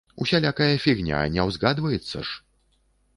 Усялякая фігня не ўзгадваецца ж!